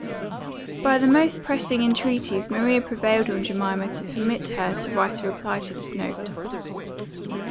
By the most pressing intreaties, Maria prevailed on Jemima to permit her to write a reply to this note.